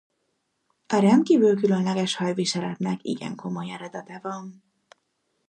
A rendkívül különleges hajviseletnek igen komoly eredete van.